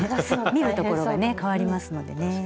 見るところがねかわりますのでね。